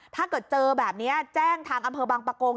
ถ้าเกิดเจอแบบนี้แจ้งทางอำเภอบางปะโกง